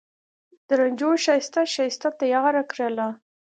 د رنجو ښایسته، ښایسته تیاره کرله